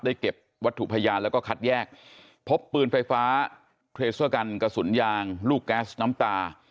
เก็บวัตถุพยานแล้วก็คัดแยกพบปืนไฟฟ้าเครเซอร์กันกระสุนยางลูกแก๊สน้ำตา